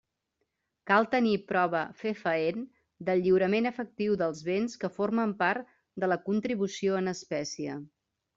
Cal tenir prova fefaent del lliurament efectiu dels béns que formen part de la contribució en espècie.